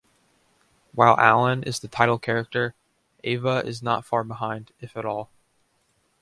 While Allan is the title character, Eva is not far behind, if at all.